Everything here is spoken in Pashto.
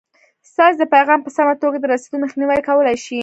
ستاسې د پیغام په سمه توګه د رسېدو مخنیوی کولای شي.